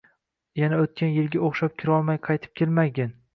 Yana o‘tgan yilga o‘xshab kirolmay qaytib kelmagin